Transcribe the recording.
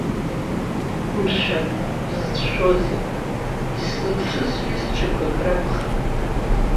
Мшәан, бзыцәшәозеи, исзыԥшыз сҩызцәақәак ракәхап.